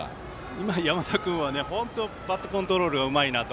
今の山田君は本当、バットコントロールがうまいなと。